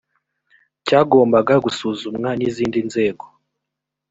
cyagombaga gusuzumwa n izindi nzego